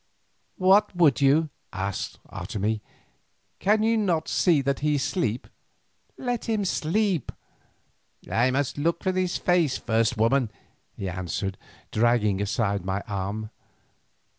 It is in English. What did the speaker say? "What would you?" asked Otomie. "Can you not see that he sleeps? Let him sleep." "I must look on his face first, woman," he answered, dragging aside my arm.